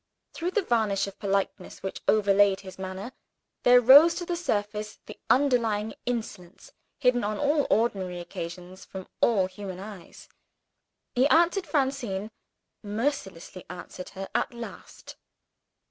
Through the varnish of politeness which overlaid his manner, there rose to the surface the underlying insolence, hidden, on all ordinary occasions, from all human eyes. He answered Francine mercilessly answered her at last.